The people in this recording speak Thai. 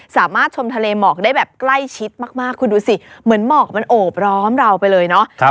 สามารถชมทะเลหมอกได้แบบใกล้ชิดมากคุณดูสิเหมือนหมอกมันโอบร้อมเราไปเลยเนาะ